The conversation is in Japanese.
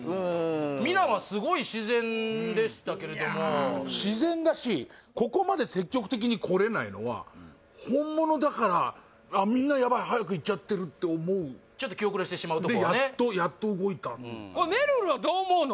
ミナはすごい自然でしたけれどもいや自然だしここまで積極的にこれないのは本物だからあっみんなヤバい早くいっちゃってるって思う気後れしてしまうとこがねでやっとやっと動いたこれめるるはどう思うの？